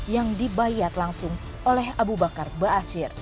yang dibayat langsung oleh abu bakar beasir